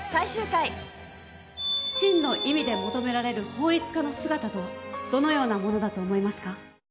真の意味で求められる法律家の姿とはどのようなものだと思いますか。